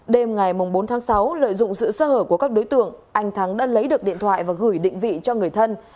đêm ngày bốn tháng sáu lợi dụng sự sơ hở của các đối tượng anh thắng đã lấy được điện thoại và gửi định vị cho người thân